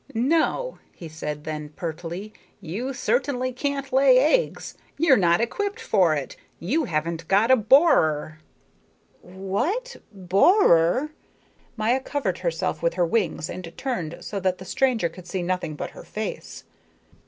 "No," he said then, pertly, "you certainly can't lay eggs. You're not equipped for it. You haven't got a borer." "What borer?" Maya covered herself with her wings and turned so that the stranger could see nothing but her face.